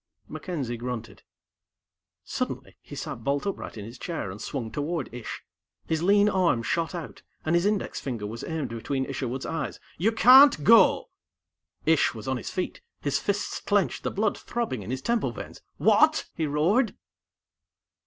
MacKenzie grunted. Suddenly, he sat bolt upright in his chair, and swung toward Ish. His lean arm shot out, and his index finger was aimed between Isherwood's eyes. "You can't go!" Ish was on his feet, his fists clenched, the blood throbbing in his temple veins. "What!" he roared.